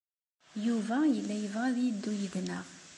Yuba yella yebɣa ad yeddu yid-neɣ.